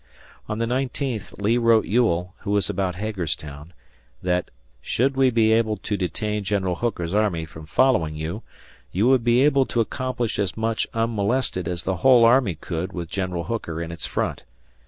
On the nineteenth Lee wrote Ewell, who was about Hagerstown, that "should we be able to detain General Hooker's army from following you, you would be able to accomplish as much unmolested as the whole army could with General Hooker in its front.